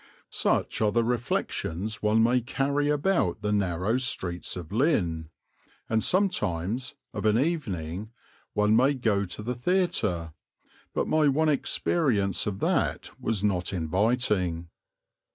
Such are the reflections one may carry about the narrow streets of Lynn, and sometimes, of an evening, one may go to the theatre, but my one experience of that was not inviting.